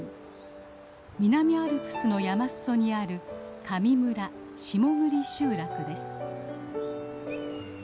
南アルプスの山すそにある上村下栗集落です。